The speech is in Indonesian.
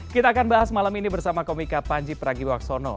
kita akan bahas malam ini bersama komika panji pragiwaksono